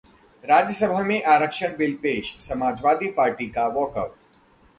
राज्यसभा में आरक्षण बिल पेश, समाजवादी पार्टी का वॉकआउट